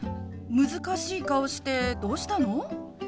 難しい顔してどうしたの？